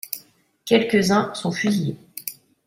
Quelques-uns sont fusillés.